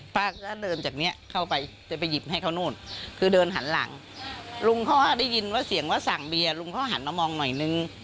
ป้าก็เดินจากนี้เข้าไปจะไปหยิบให้เขานู่นคือเดินหันหลังลุงเขาได้ยินว่าเสียงว่าสั่งเบียร์ลุงเขาหันมามองหน่อยนึง